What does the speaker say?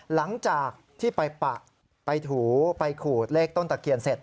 หลังจากที่ไปปะไปถูไปขูดเลขต้นตะเคียนเสร็จ